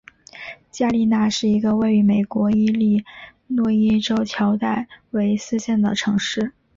加利纳是一个位于美国伊利诺伊州乔戴维斯县的城市。